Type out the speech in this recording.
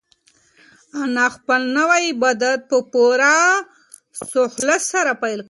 انا خپل نوی عبادت په پوره خلوص سره پیل کړ.